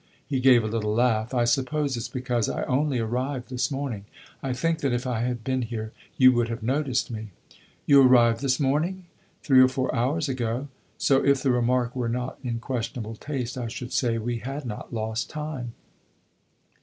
He gave a little laugh. "I suppose it 's because I only arrived this morning. I think that if I had been here you would have noticed me." "You arrived this morning?" "Three or four hours ago. So, if the remark were not in questionable taste, I should say we had not lost time."